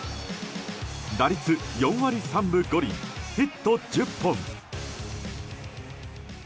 打率４割３分５厘ヒット１０本。